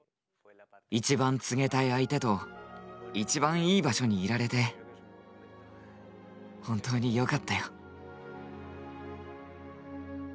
一番告げたい相手と一番いい場所にいられて本当によかったよ。